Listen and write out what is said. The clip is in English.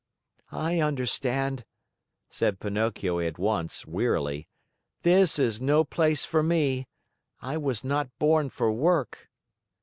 "I understand," said Pinocchio at once wearily, "this is no place for me! I was not born for work."